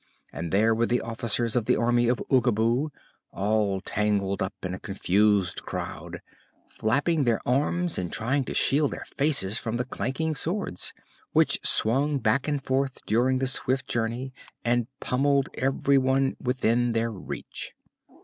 And there were the Officers of the Army of Oogaboo, all tangled up in a confused crowd, flapping their arms and trying to shield their faces from the clanking swords, which swung back and forth during the swift journey and pommeled everyone within their reach.